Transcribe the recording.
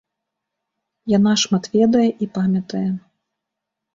Яна шмат ведае і памятае.